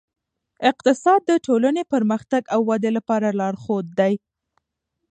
اقتصاد د ټولنې پرمختګ او ودې لپاره لارښود دی.